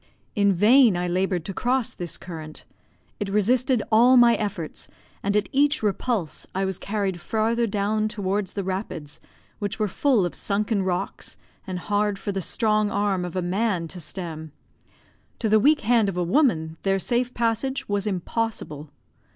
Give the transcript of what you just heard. In vain I laboured to cross this current; it resisted all my efforts, and at each repulse I was carried farther down towards the rapids, which were full of sunken rocks, and hard for the strong arm of a man to stem to the weak hand of a woman their safe passage was impossible.